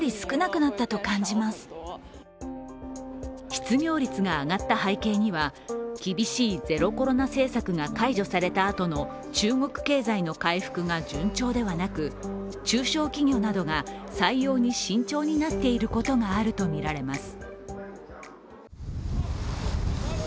失業率が上がった背景には、厳しいゼロコロナ政策が解除されたあとの、中国経済の回復が順調ではなく中小企業などが採用に慎重になっていることがあるとみられます。